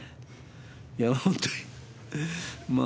いや本当にまあ